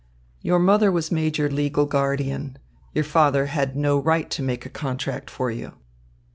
Your mother was made your legal guardian. Your father had no right to make a contract for you.